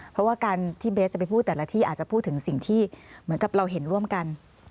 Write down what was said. เพราะว่าการที่เบสจะไปพูดแต่ละที่อาจจะพูดถึงสิ่งที่เหมือนกับเราเห็นร่วมกัน